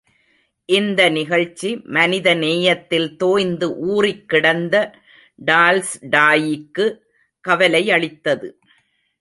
இந்த நிகழ்ச்சி மனித நேயத்தில் தோய்ந்து ஊறிக்கிடந்த டால்ஸ்டாயிக்கு கவலையளித்தது.